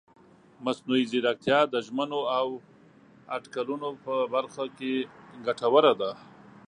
مصنوعي ځیرکتیا د ژمنو او اټکلونو په برخه کې ګټوره ده.